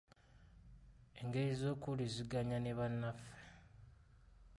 engeri z’okuwuliziganya ne bannaffe.